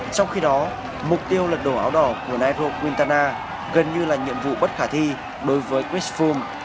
trong khi đó mục tiêu lật đổ áo đỏ của nairo quintana gần như là nhiệm vụ bất khả thi đối với chris fulm